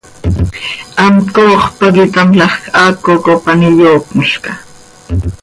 Hamt cooxp pac itámlajc, haaco cop an iyoocmolca.